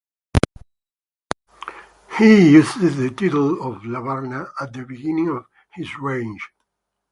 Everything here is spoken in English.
He used the title of Labarna at the beginning of his reign.